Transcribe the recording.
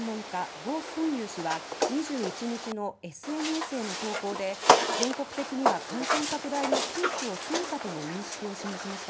ゴ・ソンユウ氏は２１日のＳＮＳへの投稿で全国的には感染拡大のピークを過ぎたとの認識を示しました。